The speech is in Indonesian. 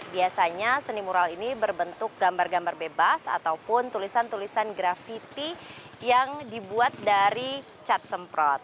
biasanya seni mural ini berbentuk gambar gambar bebas ataupun tulisan tulisan grafiti yang dibuat dari cat semprot